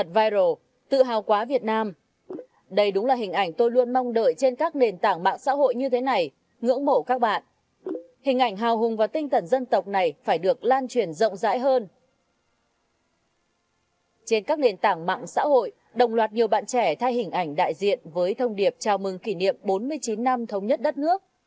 trên các nền tảng mạng xã hội đồng loạt nhiều bạn trẻ thay hình ảnh đại diện với thông điệp chào mừng kỷ niệm bốn mươi chín năm thống nhất đất nước